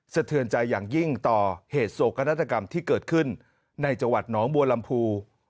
เทือนใจอย่างยิ่งต่อเหตุโศกนาฏกรรมที่เกิดขึ้นในจังหวัดหนองบัวลำพู